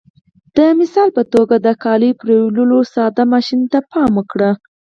د مثال په توګه د کاليو منځلو ساده ماشین ته پام وکړئ.